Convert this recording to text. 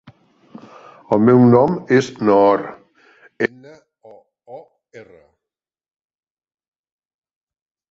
El meu nom és Noor: ena, o, o, erra.